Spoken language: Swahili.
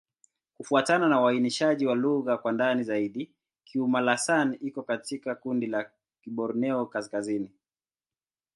Kufuatana na uainishaji wa lugha kwa ndani zaidi, Kiuma'-Lasan iko katika kundi la Kiborneo-Kaskazini.